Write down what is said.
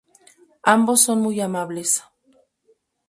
Ambos son muy amables".